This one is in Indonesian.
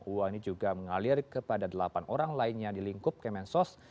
uang ini juga mengalir kepada delapan orang lain yang dilingkup kemensos